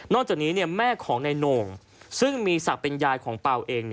จากนี้แม่ของนายโหน่งซึ่งมีศักดิ์เป็นยายของเปล่าเอง